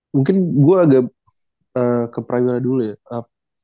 mungkin gua agak ke prawira dulu ya